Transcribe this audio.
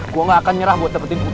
gua gak akan nyerah buat dapetin putri